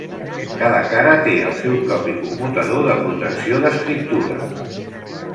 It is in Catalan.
Cada cara té el seu propi commutador de protecció d'escriptura.